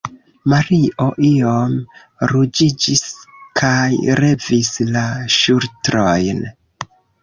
Mario iom ruĝiĝis kaj levis la ŝultrojn.